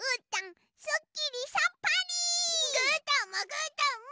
ぐーたんもぐーたんも！